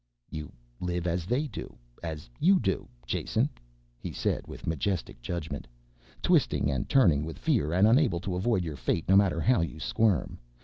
"You live as they do as you do, Jason," he said with majestic judgment, "twisting and turning with fear and unable to avoid your fate no matter how you squirm.